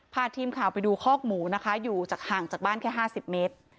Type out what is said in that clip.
พาทีมข่าวไปดูคอกหมูนะคะอยู่จากห่างจากบ้านแค่๕๐เมตร